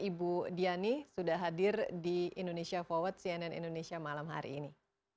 ibu diani sudah hadir di indonesia forward cnn indonesia malam hari ini